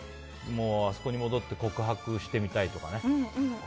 あそこに戻って告白してみたいとかね。